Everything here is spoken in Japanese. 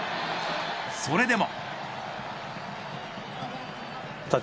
それでも。